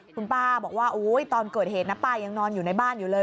คุณป้าบอกว่าตอนเกิดเหตุนะป้ายังนอนอยู่ในบ้านอยู่เลย